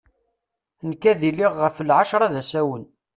Nekk ad iliɣ ɣef lɛacra d asawen.